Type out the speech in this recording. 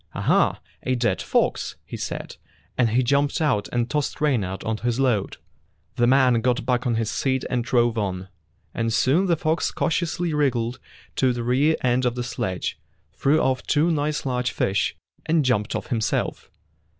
"Aha, a dead fox!" he said, and he jumped out and tossed Reynard onto his load. 218 Fairy Tale Foxes The man got back on his seat and drove on. And soon the fox cautiously wriggled to the rear end of the sledge, threw off two nice large fish, and jumped off himself.